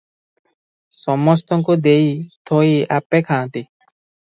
ସମସ୍ତଙ୍କୁ ଦେଇ ଥୋଇ ଆପେ ଖାଆନ୍ତି ।